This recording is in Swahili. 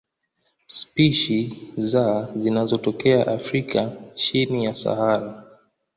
Spishi za zinatokea Afrika chini ya Sahara.